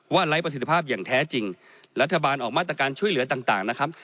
ไร้ประสิทธิภาพอย่างแท้จริงรัฐบาลออกมาตรการช่วยเหลือต่างนะครับ